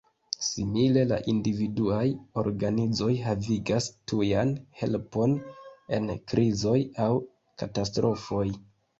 Simile, la individuaj organizoj havigas tujan helpon en krizoj aŭ katastrofoj.